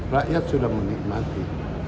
rakyat sudah menikmati